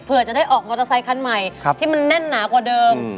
เพื่อจะได้ออกมอเตอร์ไซคันใหม่ที่มันแน่นหนากว่าเดิม